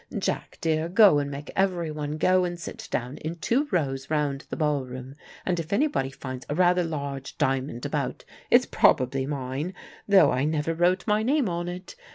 Jack dear, go and make every one go and sit down in two rows round the ball room, and if anybody finds a rather large diamond about, it's probably mine, though I never wrote my name on it....